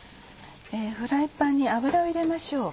フライパンに油を入れましょう。